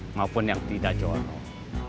maupun yang tidak jorok